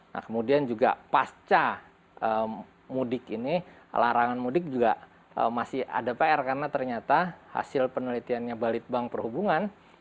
nah kemudian juga pasca mudik ini larangan mudik juga masih ada pr karena ternyata hasil penelitiannya balitbang perhubungan